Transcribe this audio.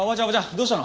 どうしたの？